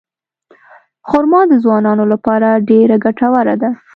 خرما د ځوانانو لپاره ډېره ګټوره ده.